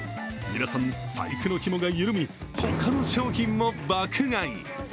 皆さん、財布のひもが緩み他の商品も爆買い。